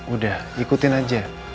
udah ikutin aja